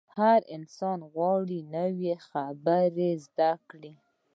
هر انسان غواړي نوې خبرې زده کړي.